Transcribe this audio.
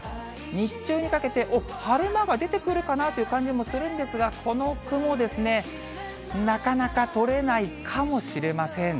日中にかけて、おっ、晴れ間が出てくるかなという感じもするんですが、この雲ですね、なかなか取れないかもしれません。